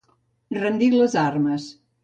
Rendir les armes.